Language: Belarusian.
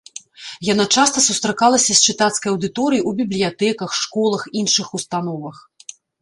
Яна часта сустракалася з чытацкай аўдыторыяй у бібліятэках, школах, іншых установах.